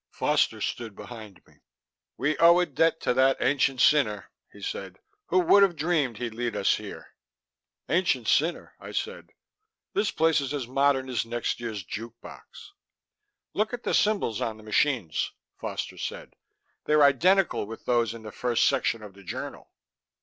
Foster stood behind me. "We owe a debt to that ancient sinner," he said. "Who would have dreamed he'd lead us here?" "Ancient sinner?" I said. "This place is as modern as next year's juke box." "Look at the symbols on the machines," Foster said. "They're identical with those in the first section of the journal."